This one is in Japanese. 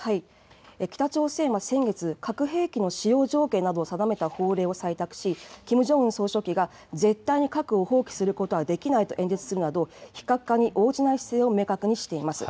北朝鮮は先月、核兵器の使用条件などを定めた法令を採択し、キム・ジョンウン総書記が絶対に核を放棄することはできないと演説するなど、非核化に応じない姿勢を明確にしています。